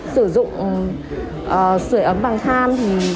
sử dụng sửa ấm bằng than